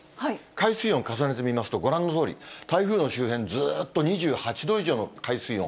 海水温重ねてみますと、ご覧のとおり、台風の周辺、ずっと２８度以上の海水温。